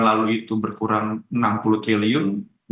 lalu itu berkurang rp enam puluh triliun